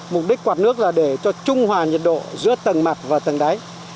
mục đích quạt nước là để cho trung hòa nhiệt độ giữa tầng mặt và tầng đáy